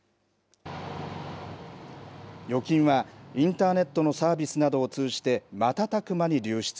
預金はインターネットのサービスなどを通じて、瞬く間に流出。